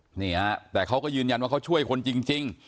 ใช่นี่อ่ะแต่เขาก็ยืนยันว่าเขาช่วยคนจริงจริง